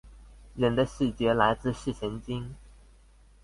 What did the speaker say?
人的視覺來自視神經